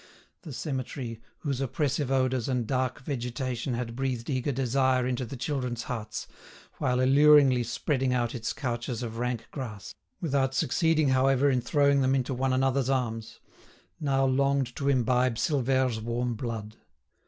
The cemetery, whose oppressive odours and dark vegetation had breathed eager desire into the children's hearts, while alluringly spreading out its couches of rank grass, without succeeding however in throwing them into one another's arms, now longed to imbibe Silvère's warm blood.